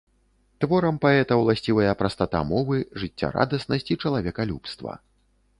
Творам паэта ўласцівыя прастата мовы, жыццярадаснасць і чалавекалюбства.